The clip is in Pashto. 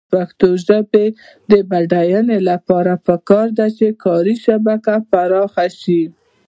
د پښتو ژبې د بډاینې لپاره پکار ده چې کاري شبکه پراخه شي.